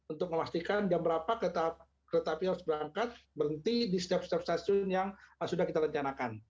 untuk memastikan jam berapa kereta api harus berangkat berhenti di setiap setiap stasiun yang sudah kita rencanakan